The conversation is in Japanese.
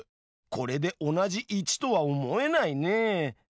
これで同じ１とは思えないね。